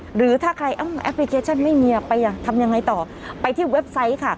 หรือถ้าใครแอปพลิเคชันไม่มีไปทำยังไงต่อไปที่เว็บไซต์ค่ะ